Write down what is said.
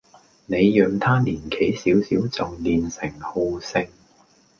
你讓他年紀小小就練成好勝